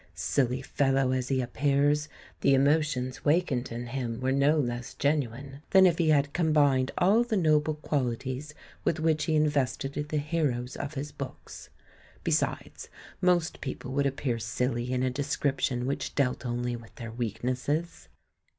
Silly fellow as he appears, the emotions wakened in him were no less genuine than if he had combined all the noble qualities with which he invested the heroes of his books. Besides, most people would appear silly in a description which dealt only with their weaknesses.